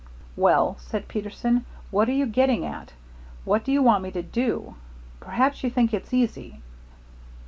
"Well," said Peterson, "what are you getting at? What do you want me to do? Perhaps you think it's easy."